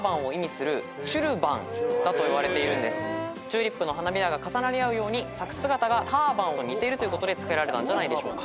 チューリップの花びらが重なり合うように咲く姿がターバンと似てるということでつけられたんじゃないでしょうか。